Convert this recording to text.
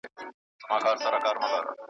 او مخلوق ته سي لګیا په بد ویلو .